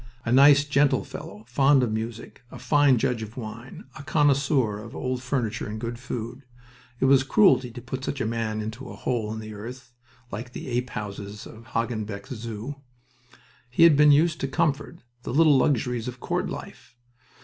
A nice, gentle fellow, fond of music, a fine judge of wine, a connoisseur of old furniture and good food. It was cruelty to put such a man into a hole in the earth, like the ape houses of Hagenbeck's Zoo. He had been used to comfort, the little luxuries of court life.